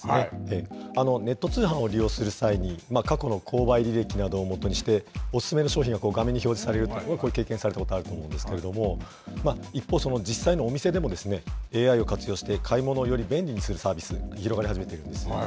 ネット通販を利用する際に、過去の購買履歴などをもとにして、お勧めの商品が画面に表示されるということは、経験されたことあると思うんですけど、一方、実際のお店でも、ＡＩを活用して買い物をより便利にするサービス、広がり始めているんです。